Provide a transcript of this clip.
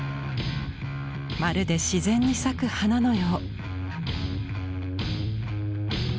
まるで自然に咲く花のよう。